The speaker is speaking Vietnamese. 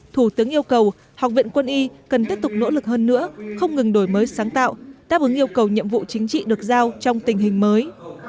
thủ tướng yêu cầu học viện quân y cần tiếp tục nỗ lực hơn nữa không ngừng đổi mới sáng tạo đáp ứng yêu cầu nhiệm vụ chính trị được giao trong tình hình mới